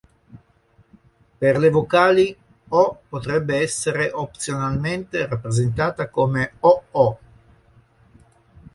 Per le vocali, "o" potrebbe essere opzionalmente rappresentata come "oo".